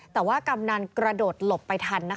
แต่ว่ากำนันต์กระโดดหลบไปทันนะครับ